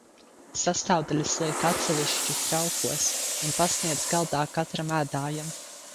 Sastāvdaļas liek atsevišķi traukos un pasniedz galdā katram ēdājam.